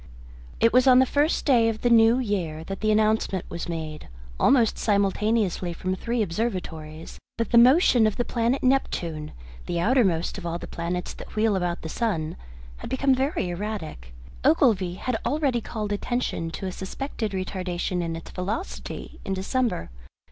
It was on the first day of the new year that the announcement was made, almost simultaneously from three observatories, that the motion of the planet Neptune, the outermost of all the planets that wheel about the sun, had become very erratic. Ogilvy had already called attention to a suspected retardation in its velocity in December.